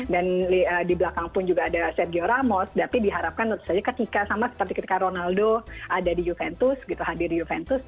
dan di belakang pun juga ada sergio ramos tapi diharapkan notis aja ketika sama seperti ketika ronaldo ada di juventus gitu hadir di juventus